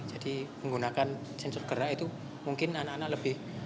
jadi menggunakan sensor gerakan itu mungkin anak anak lebih